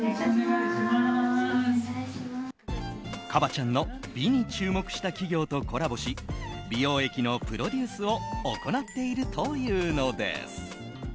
ＫＡＢＡ．ちゃんの美に注目した企業とコラボし美容液のプロデュースを行っているというのです。